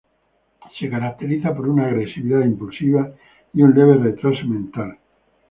Se caracteriza por una agresividad impulsiva y un leve retraso mental.